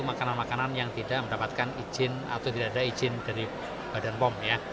makanan makanan yang tidak mendapatkan izin atau tidak ada izin dari badan pom